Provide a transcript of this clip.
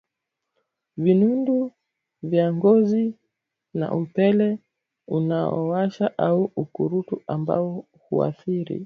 Vinundu vya Ngozi na Upele Unaowasha au Ukurutu ambao huathiri